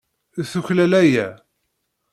Tuklal aya.